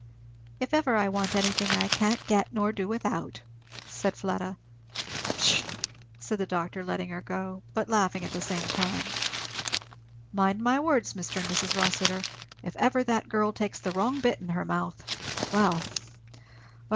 "If ever I want anything I can't get nor do without," said Fleda. "Pshaw!" said the doctor letting her go, but laughing at the same time. "Mind my words, Mr. and Mrs. Rossitur; if ever that girl takes the wrong bit in her mouth Well, well!